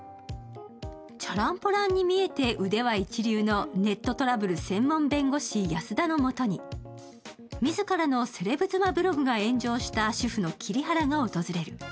ちゃらんぽらんに見えて腕は一流のネットトラブル専門弁護士・保田のもとに自らのセレブ妻ブログが炎上した主婦の桐原が訪れる。